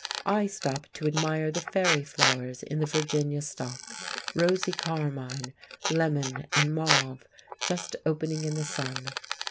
I stop to admire the fairy flowers in the Virginia stock, rosy carmine, lemon and mauve, just opening in the sun.